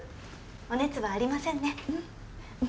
お熱はありませんね。